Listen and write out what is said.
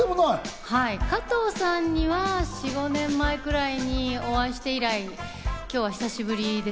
加藤さんには４５年前くらいにお会いして以来、今日は久しぶりです。